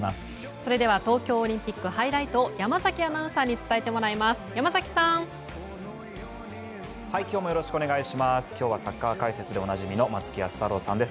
それでは東京オリンピックハイライトを山崎アナウンサーに伝えてもらいます。